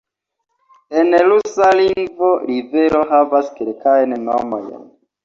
En rusa lingvo rivero havas kelkajn nomojn.